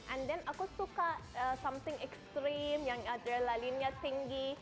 and then aku suka something extreme yang ada lalinya tinggi